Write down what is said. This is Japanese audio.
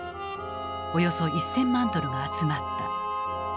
およそ１，０００万ドルが集まった。